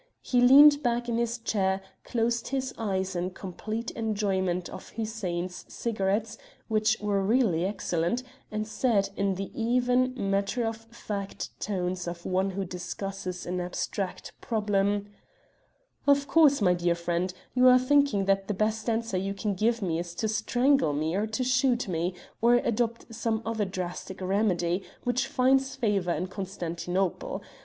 He leaned back in his chair, closed his eyes in complete enjoyment of Hussein's cigarettes, which were really excellent, and said, in the even, matter of fact tones of one who discusses an abstract problem "Of course, my dear friend, you are thinking that the best answer you can give me is to strangle me or to shoot me, or adopt some other drastic remedy which finds favour in Constantinople.